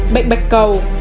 một bệnh bạch cầu